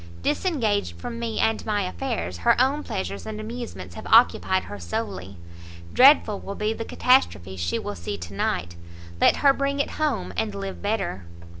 Disengaged from me and my affairs, her own pleasures and amusements have occupied her solely. Dreadful will be the catastrophe she will see to night; let her bring it home, and live better!